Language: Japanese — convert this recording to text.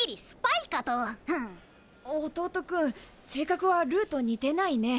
弟君性格はルーと似てないね。